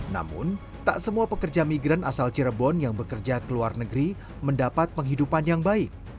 namun tak semua pekerja migran asal cirebon yang bekerja ke luar negeri mendapat penghidupan yang baik